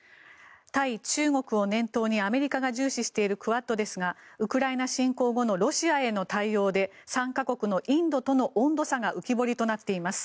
対中国を念頭にアメリカが重視しているクアッドですがウクライナ侵攻後のロシアへの対応で参加国のインドとの温度差が浮き彫りとなっています。